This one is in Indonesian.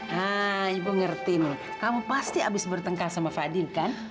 nah ibu ngerti nih kamu pasti habis bertengkar sama fadin kan